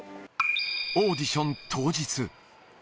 オーディション当日。